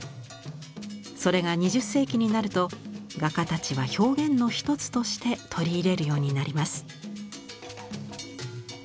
それが２０世紀になると画家たちは表現の一つとして取り入れるようになります。